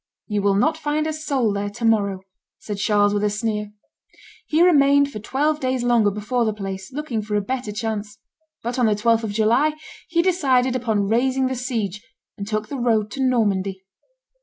"You will not find a soul there to morrow," said Charles with a sneer. He remained for twelve days longer before the place, looking for a better chance; but on the 12th of July he decided upon raising the siege, and took the road to Normandy.